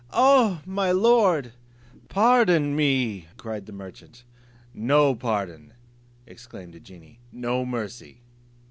"Ah! my lord! pardon me!" cried the merchant. "No pardon," exclaimed the genie, "no mercy.